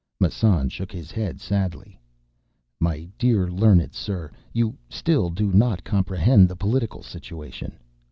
Massan shook his head sadly. "My dear learned sir, you still do not comprehend the political situation.